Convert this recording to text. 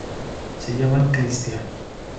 Se llama Christian.